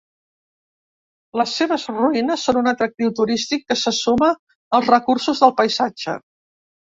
Les seves ruïnes són un atractiu turístic que se suma als recursos del paisatge.